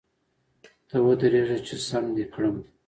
ته ودرېږه چي ! سم دي کړم .